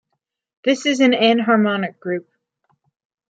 This is the anharmonic group.